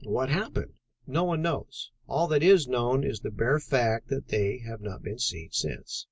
"What happened?" "No one knows. All that is known is the bare fact that they have not been seen since."